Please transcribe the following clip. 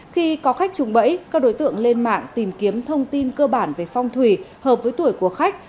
khi có khách trùng bẫy các đối tượng lên mạng tìm kiếm thông tin cơ bản về phong thủy hợp với tuổi của khách